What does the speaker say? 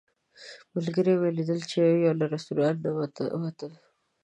ملګري مې لیدل چې یو یو له رسټورانټ نه ووتل.